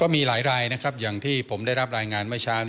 มีหลายรายนะครับอย่างที่ผมได้รับรายงานเมื่อเช้า